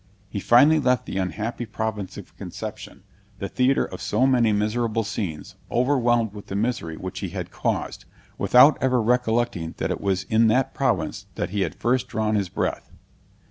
He finally left the unhappy province of Conception, the theatre of so many miserable scenes, overwhelmed with the misery which he had caused, without ever recollecting that it was in that province that he had first drawn his breath.